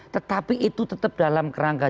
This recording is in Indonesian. tetapi itu tetap dalam kerangka